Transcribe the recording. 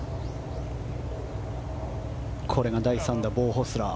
これが第３打ボウ・ホスラー。